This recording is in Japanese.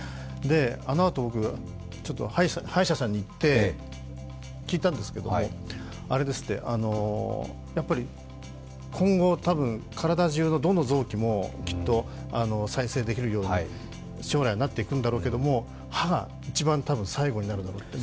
あのあと僕、歯医者さんに行って聞いたんですけども、やっぱり今後、体中のどの臓器もきっと再生できるように将来なっていくんだろうけれども歯は一番最後になるだろうと。